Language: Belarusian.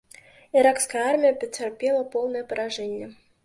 Іракская армія пацярпела поўнае паражэнне.